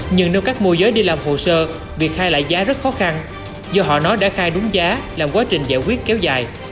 nhưng nếu các mô giới đi làm hồ sơ việc khai lại giá rất khó khăn do họ nói đã khai đúng giá làm quá trình giải quyết kéo dài